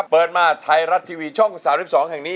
เปิดมาไทรัตหน์ที่ที่สองแห่งนี้